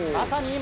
今。